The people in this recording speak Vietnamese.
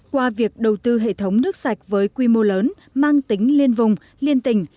qua việc đầu tư hệ thống nước sạch với quy mô lớn mang tính liên vùng liên tỉnh